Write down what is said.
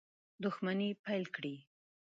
دښمني پیل کړي.